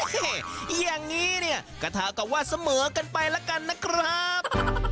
เฮ่ยอย่างนี้เนี่ยกระทะก็ว่าเสมอกันไปละกันนะครับ